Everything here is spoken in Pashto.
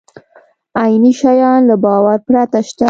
عیني شیان له باور پرته شته.